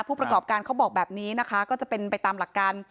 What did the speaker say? ผู้ประกอบการเขาบอกแบบนี้นะคะก็จะเป็นไปตามหลักการ